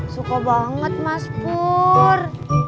suka banget mas pur